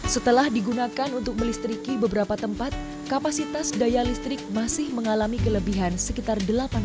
setelah digunakan untuk melistriki beberapa tempat kapasitas daya listrik masih mengalami kelebihan sekitar delapan puluh